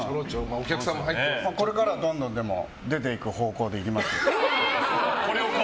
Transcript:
これからはどんどん出ていく方向でいきます。